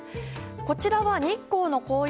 こちらは日光の紅葉